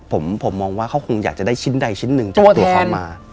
ผมมองว่าเขาคงอยากจะได้ชิ้นใดชิ้นหนึ่งจากตัวเขามา